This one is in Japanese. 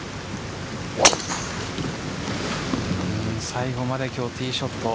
最後まで今日ティーショット。